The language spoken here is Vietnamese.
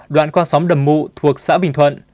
đoạn qua xóm đầm mụ thuộc xã bình thuận